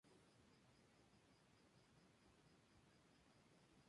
La llave del "mi" es usualmente repetida para la mano izquierda.